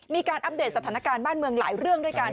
อัปเดตสถานการณ์บ้านเมืองหลายเรื่องด้วยกัน